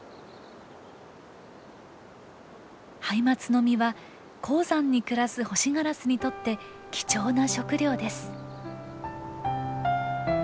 ハイマツの実は高山に暮らすホシガラスにとって貴重な食料です。